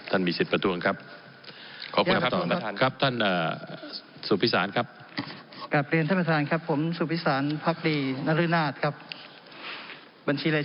ขอบคุณครับครับส่วนประตานครับท่านสุภิษศาลครับ